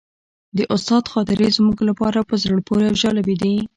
د استاد خاطرې زموږ لپاره په زړه پورې او جالبې دي.